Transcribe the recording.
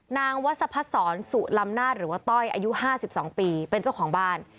นางวัสพศรสุลำนาจหรือว่าต้อยอายุ๕๒ปีเป็นเจ้าของบ้าน